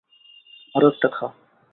আরো একটা খা।